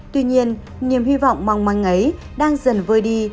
tuy nhiên niềm hy vọng mong măng ấy đang dần vơi đi